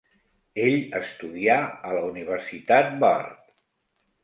Ell estudià a la Universitat Bard.